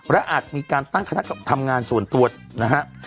และอาจมีการตั้งคณะทำงานส่วนตัวนะฮะ